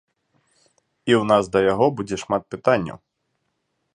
І ў нас да яго будзе шмат пытанняў.